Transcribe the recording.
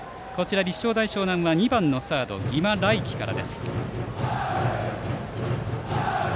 立正大淞南は２番サードの儀間來生から。